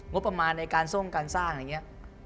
งบประมาณในการทรงการสร้างอะไรอย่างนี้